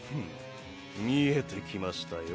見えてきましたよ。